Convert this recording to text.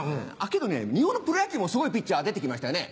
けどね日本のプロ野球もすごいピッチャー出て来ましたよね。